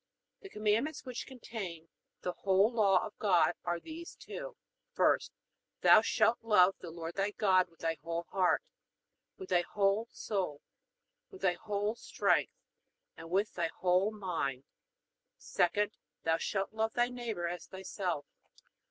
The Commandments which contain the whole law of God are these two: 1st, Thou shalt love the Lord thy God with thy whole heart, with thy whole soul, with thy whole strength, and with thy whole mind; 2d, Thou shalt love thy neighbor as thyself.